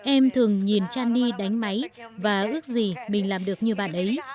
em thường nhìn chani đánh máy và ước gì mình làm được như bạn ấy